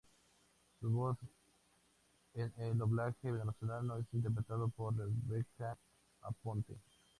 Su voz en el doblaje venezolano es interpretada por Rebeca Aponte.